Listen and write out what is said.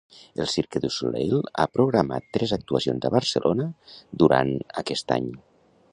El Cirque du Soleil ha programat tres actuacions a Barcelona durant aquest any.